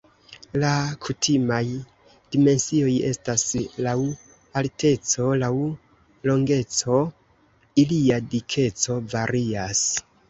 La kutimaj dimensioj estas laŭ alteco, laŭ longeco, ilia dikeco varias.